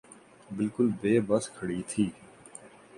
بالکل بے بس کھڑی تھی۔